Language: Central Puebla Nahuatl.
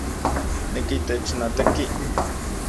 Nika itech noteki